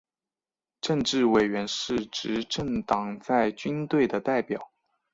政治委员是执政党在军队的代表。